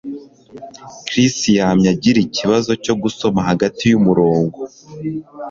Chris yamye agira ikibazo cyo gusoma hagati yumurongo